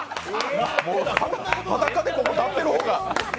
裸でここ立ってる方が。